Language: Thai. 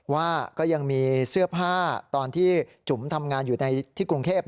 ว่าก็ยังมีเสื้อผ้าตอนที่จุ๋มทำงานอยู่ในที่กรุงเทพ